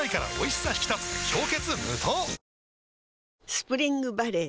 スプリングバレー